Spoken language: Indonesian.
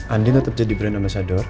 andin tetap jadi brand ambasador